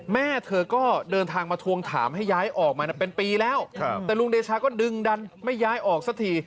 แม่เธอก็เดินทางมาทวงถามให้ย้ายออกมาเป็นปีแล้วแต่ลุงเดชาก็ดึงดันไม่ย้ายออกสักที